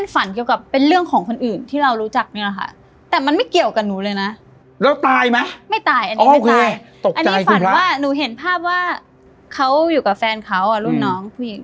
อันนี้ฝันว่าหนูเห็นภาพว่าเขาอยู่กับแฟนเขารุ่นน้องผู้หญิง